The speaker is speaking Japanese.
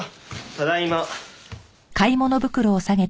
ただいま。